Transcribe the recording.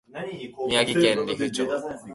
宮城県利府町